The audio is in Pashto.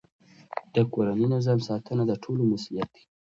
د کورني نظم ساتنه د ټولو مسئولیت دی.